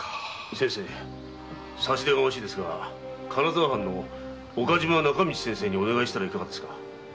差し出がましいですが金沢藩の岡嶋仲道先生にお願いしたらいかがですか？